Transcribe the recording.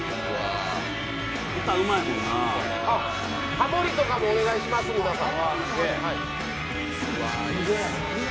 ハモりとかもお願いします、皆さん。